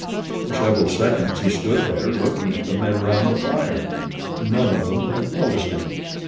For several seconds he stood there looking at the men around the fire. None of them had noticed him.